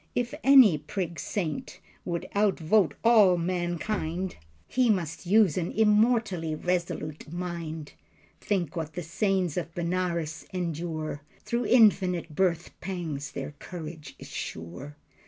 If any prig saint would outvote all mankind He must use an immortally resolute mind. Think what the saints of Benares endure, Through infinite birthpangs their courage is sure.